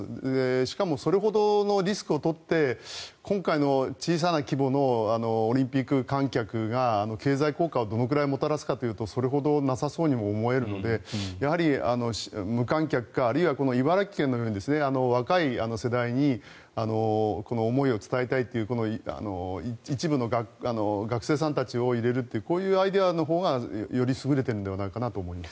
しかもそれほどのリスクを取って今回の小さな規模のオリンピック観客が経済効果をどのくらいもたらすかというとそれほど、なさそうにも思えるのでやはり無観客かあるいはこの茨城県のように若い世代にこの思いを伝えたいという一部の学生さんたちを入れるというこういうアイデアのほうがより優れてるのではないかなと思います。